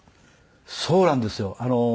そうなんですよ。